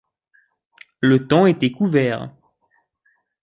Le temps était couvert.